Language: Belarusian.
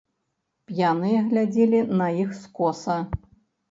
П'яныя глядзелі на іх скоса.